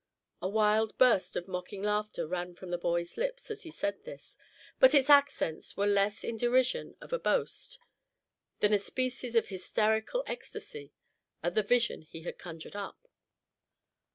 A wild burst of mocking laughter rung from the boy's lips as he said this; but its accents were less in derision of the boast than a species of hysterical ecstasy at the vision he had conjured up.